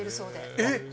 えっ！